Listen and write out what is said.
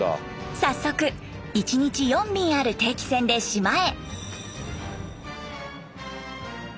早速１日４便ある定期船で島へ。